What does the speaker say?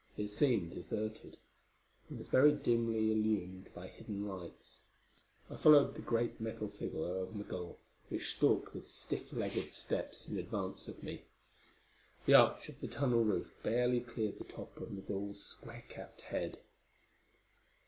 It seemed deserted, and was very dimly illumined by hidden lights. I followed the great metal figure of Migul, which stalked with stiff legged steps in advance of me. The arch of the tunnel roof barely cleared the top of Migul's square capped head.